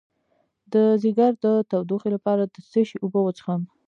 د ځیګر د تودوخې لپاره د څه شي اوبه وڅښم؟